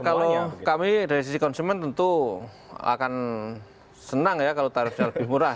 kalau kami dari sisi konsumen tentu akan senang ya kalau tarifnya lebih murah